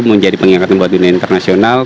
menjadi penyelenggaraan dunia internasional